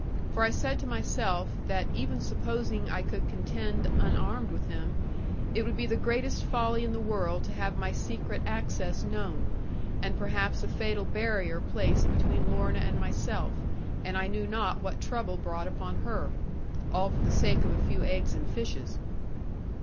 For I said to myself, that even supposing I could contend unarmed with him, it would be the greatest folly in the world to have my secret access known, and perhaps a fatal barrier placed between Lorna and myself, and I knew not what trouble brought upon her, all for the sake of a few eggs and fishes.